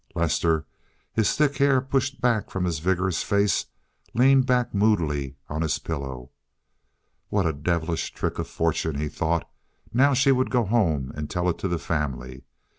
Lester, his thick hair pushed back from his vigorous face, leaned back moodily on his pillow. "What a devilish trick of fortune," he thought. Now she would go home and tell it to the family.